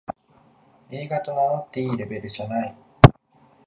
映画と名乗っていいレベルじゃない